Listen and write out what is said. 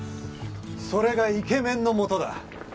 それがイケメンの素だ。